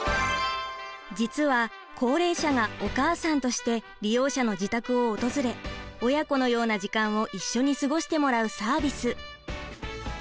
実は高齢者がお母さんとして利用者の自宅を訪れ親子のような時間を一緒に過ごしてもらうサービス。